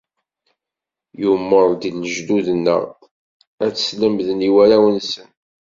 Yumeṛ-d i lejdud-nneɣ ad tt-slemden i warraw-nsen.